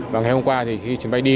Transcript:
và ngày hôm qua khi chuyến bay đi